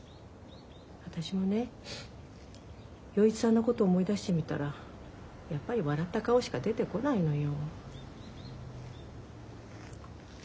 私もね洋一さんのこと思い出してみたらやっぱり笑った顔しか出てこないのよ。